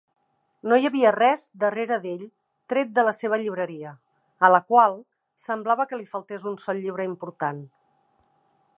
No hi havia res darrere d'ell tret de la seva llibreria, a la qual semblava que li faltés un sol llibre important.